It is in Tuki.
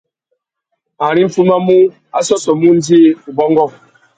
Ari nʼfumamú, a sôssômú undjï, ubôngô.